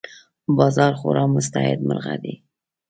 باز خورا مستعد مرغه دی